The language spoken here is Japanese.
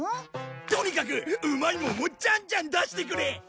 とにかくうまいもんをジャンジャン出してくれ！